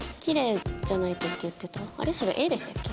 それＡでしたっけ？